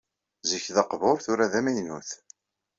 Zik d aqbuṛ tura d amaynut.